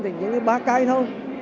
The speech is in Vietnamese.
thì những cái ba cái thôi